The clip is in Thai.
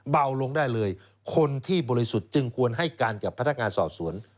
เบาลงได้เลยคนที่บริสุทธิ์จึงควรให้การกับพนักงานสอบสวน